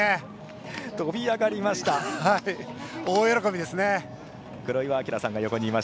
大喜びですね。